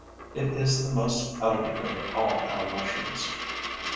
It is the most elegant of all our mushrooms.